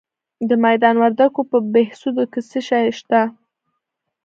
د میدان وردګو په بهسودو کې څه شی شته؟